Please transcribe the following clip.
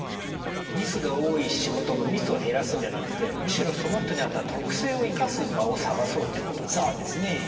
ミスが多い仕事のミスを減らすんじゃなくてむしろその人に合った特性を生かす場を探そうということですか？